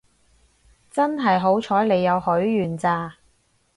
真係好彩你有許願咋